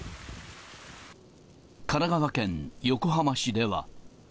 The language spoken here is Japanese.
神奈川県横浜市では。